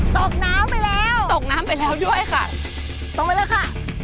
ตกน้ำไปแล้วตกน้ำไปแล้วด้วยค่ะตกไปเลยค่ะ